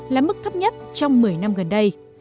là mức thấp nhất trong một mươi năm gần đây